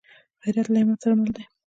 غیرت له همت سره مل دی